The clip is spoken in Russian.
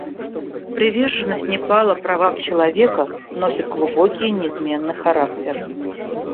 Приверженность Непала правам человека носит глубокий и неизменный характер.